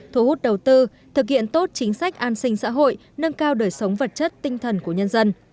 thu hút đầu tư thực hiện tốt chính sách an sinh xã hội nâng cao đời sống vật chất tinh thần của nhân dân